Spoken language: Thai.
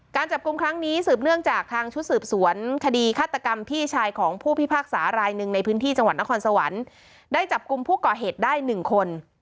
การจับกลุ่มครั้งนี้สืบเนื่องจากทางชุดสืบสวนคดีฆาตกรรมพี่ชายของผู้พิพากษารายหนึ่งในพื้นที่จังหวัดนครสวรรค์ได้จับกลุ่มผู้ก่อเหตุได้๑คน